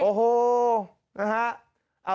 โอ้โหนะฮะ